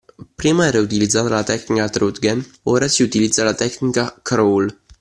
Prima era utilizzata la tecnica “trudgen” ora si utilizza la tecnica “crawl”.